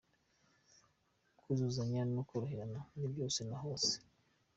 -Kuzuzanya no koroherana muri byose na hose;